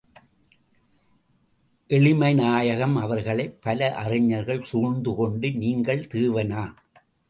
எளிமை நாயகம் அவர்களைப் பல அறிஞர்கள் சூழ்ந்து கொண்டு, நீங்கள் தேவனா?